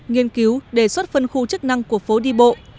nghiên cứu đề xuất phân khu chức năng của phố đi bộ